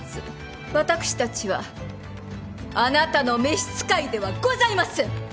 私たちはあなたの召し使いではございません！